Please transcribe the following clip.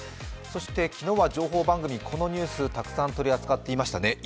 そして昨日は情報番組、このニュースをたくさん扱っていましたね。